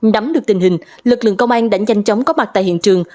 nắm được tình hình lực lượng công an đã nhanh chóng có mặt tại hiện trường